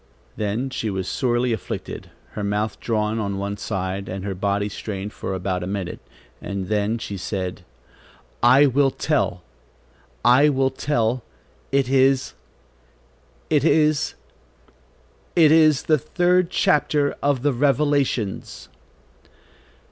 Then she was sorely afflicted, her mouth drawn on one side, and her body strained for about a minute, and then she said: "I will tell. I will tell, it is, it is, it is the third chapter of the Revelations."